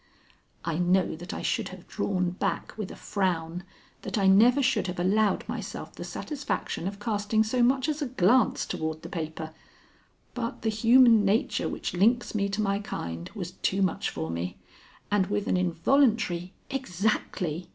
I know that I should have drawn back with a frown, that I never should have allowed myself the satisfaction of casting so much as a glance toward the paper, but the human nature which links me to my kind was too much for me, and with an involuntary "Exactly!"